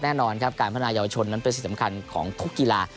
แน่นอนครับการพัฒนายาวชนนั้นเป็นสิ่งสำคัญของทุกกีฬา